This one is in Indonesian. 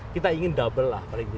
kita ingin double lah paling tidak